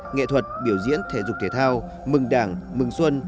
nghệ thuật biểu diễn thể dục thể thao mừng đảng mừng xuân